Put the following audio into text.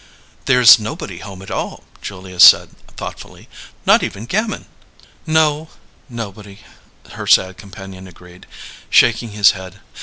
"There's nobody home at all," Julia said thoughtfully. "Not even Gamin." "No. Nobody," her sad companion agreed, shaking his head.